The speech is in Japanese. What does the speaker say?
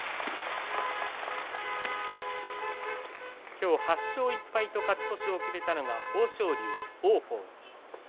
今日８勝１敗と勝ち越しを決めたのは豊昇龍、王鵬。